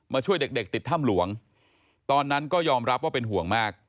ช่วยเด็กติดถ้ำหลวงตอนนั้นก็ยอมรับว่าเป็นห่วงมาก